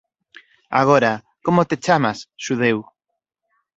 Agora, como te chamas, xudeu?